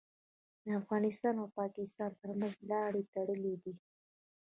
د افغانستان او پاکستان ترمنځ لارې تړلي دي.